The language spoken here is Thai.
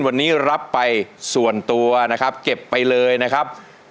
วันนี้รับไปส่วนตัวนะครับเก็บไปเลยนะครับ